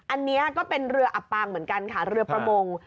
อันนี้ก็เป็นเรืออับปางเหมือนกันค่ะเรือประมง